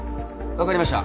分かりました！